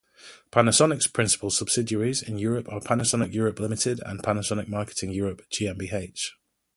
Panasonic's principal subsidiaries in Europe are Panasonic Europe Limited and Panasonic Marketing Europe GmbH.